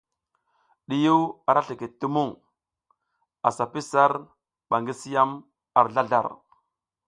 Ɗiyiw ara slikid ti muŋ, asa pi sar ba gi si yam ar zlazlar.